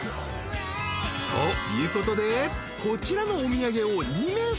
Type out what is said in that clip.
［ということでこちらのお土産を］